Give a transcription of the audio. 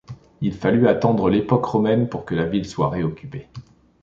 Il fallut attendre l'époque romaine pour que la ville soit réoccupée.